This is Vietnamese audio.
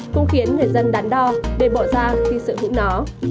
cũng khiến người dân đắn đo để bỏ ra khi sở hữu nó